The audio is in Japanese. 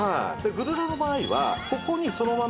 グルラボの場合はここにそのまま